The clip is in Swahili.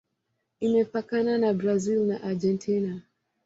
Imepakana na Brazil na Argentina.